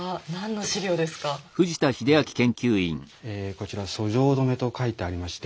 こちらは「訴状留」と書いてありまして。